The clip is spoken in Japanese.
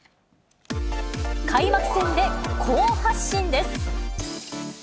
開幕戦で好発進です。